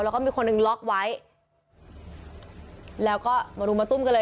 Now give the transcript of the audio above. แล้วก็มีคนหนึ่งล็อกไว้แล้วก็มารุมมาตุ้มกันเลย